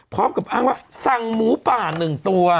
พร้อมกับอ้างว่าสั่งหมูป่า๑ตัว